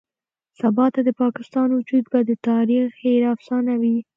سباته د پاکستان وجود به د تاريخ هېره افسانه وي.